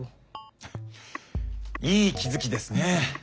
いい気付きですね。